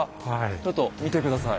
ちょっと見て下さい。